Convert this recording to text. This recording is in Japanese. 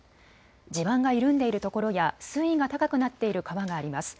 地盤が緩んでいるところや水位が高くなっている川があります。